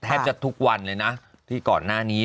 แทบจะทุกวันเลยนะที่ก่อนหน้านี้